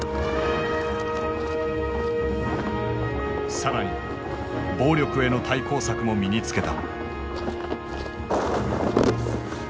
更に暴力への対抗策も身につけた。